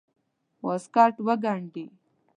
واسکټ وګنډي.